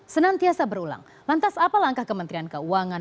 senantiasa berulang lantas apa langkah kementerian keuangan